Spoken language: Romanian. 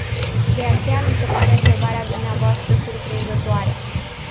De aceea mi se pare întrebarea dvs.. surprinzătoare.